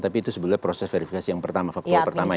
tapi itu sebenarnya proses verifikasi yang pertama faktor pertama ya